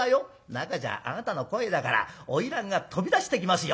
なかじゃあなたの声だから花魁が飛び出してきますよ。